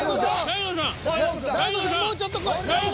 もうちょっとこい。